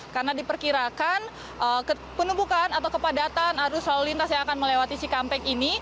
karena diperkirakan penumpukan atau kepadatan arus lalu lintas yang akan melewati cikampek ini